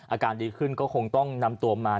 อาการดีขึ้นก็คงต้องนำตัวมา